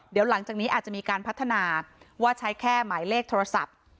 เดี๋ยวหลังจากนี้อาจจะมีการพัฒนาว่าใช้แค่หมายเลขโทรศัพท์